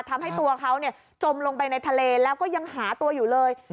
ทำให้ตัวเขาจมลงไปในทะเลแล้วก็ยังหาตัวอยู่เลย